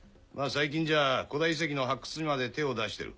最近じゃ古代遺跡の発掘にまで手を出してる。